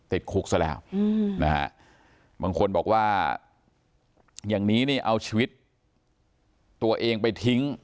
ติดคุกซะแล้วนะฮะบางคนบอกว่าอย่างนี้นี่เอาชีวิตตัวเองไปทิ้ง